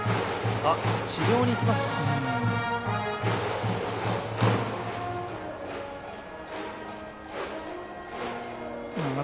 治療に行きますか。